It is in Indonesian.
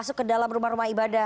masuk ke dalam rumah rumah ibadah